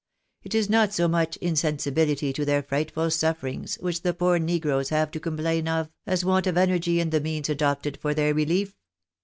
It is not so much insensibility to their frightful sufferings which the poor negroes have to complain of, as want of energy in the means adopted for their relief.